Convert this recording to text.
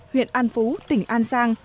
huyện an phú tỉnh an giang